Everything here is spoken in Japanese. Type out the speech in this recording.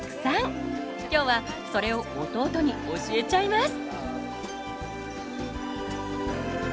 今日はそれを弟に教えちゃいます。